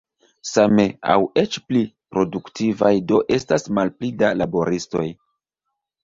Same aŭ eĉ pli produktivaj do estas malpli da laboristoj.